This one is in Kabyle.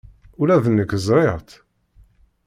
Ula d nekk ẓriɣ-tt.